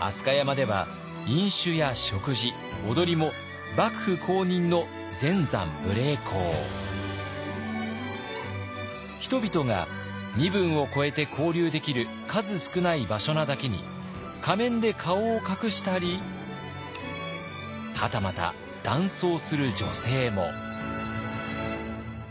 飛鳥山では飲酒や食事踊りも人々が身分を超えて交流できる数少ない場所なだけに仮面で顔を隠したりはたまた男装する女性も。